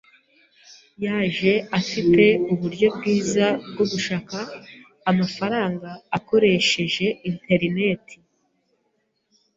Yaje afite uburyo bwiza bwo gushaka amafaranga akoresheje interineti.